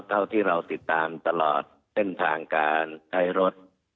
เท่าที่เราติดตามตลอดเส้นทางการใช้รถ